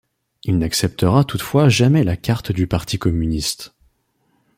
Il n'acceptera toutefois jamais la carte du parti communiste.